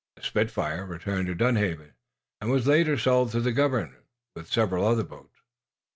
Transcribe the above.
The "Spitfire" returned to Dunhaven, and was later sold to the government, with several other boats.